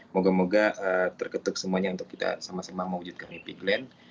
moga moga terketuk semuanya untuk kita sama sama mewujudkan mimpi glenn